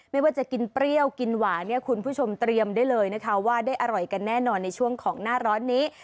ไม่ว่าจะกินเปรี้ยวกินหวานเนี่ยคุณผู้ชมเตรียมได้เลยนะคะว่าได้อร่อยกันแน่นอนในช่วงของหน้าร้อนนี้